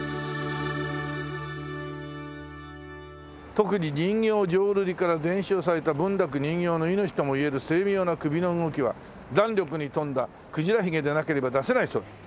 「特に人形浄瑠璃から伝承された文楽人形の命とも言える精妙な首の動きは弾力に富んだ鯨ヒゲでなければ出せないそうです」